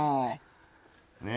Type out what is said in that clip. ねえ。